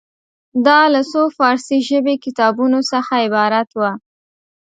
دا له څو فارسي ژبې کتابونو څخه عبارت وه.